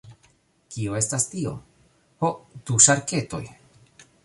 Kio estas tio? Ho, du ŝarketoj.